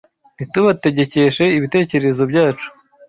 ntitubategekeshe ibitekerezo byacu